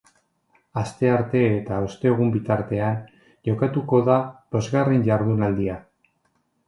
Astearte eta ostegun bitartean jokatuko da bosgarren jardunaldia.